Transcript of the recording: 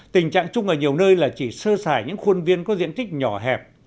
tình trạng chung ở nhiều nơi là chỉ sơ xài những khuôn viên có diện tích nhỏ hẹp